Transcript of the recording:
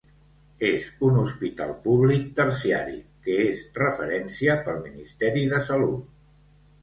És un hospital públic, terciari, que és referència pel Ministeri de Salut.